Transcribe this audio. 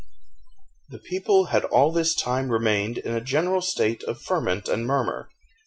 The people had all this time remained in a general state of ferment and murmur.